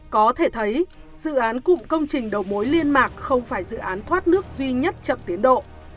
có thể thấy dự án cụm công trình đầu mối liên mạc không phải dự án thoát nước duy nhất chậm tiến độ